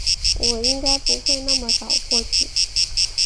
我应该不会那么早过去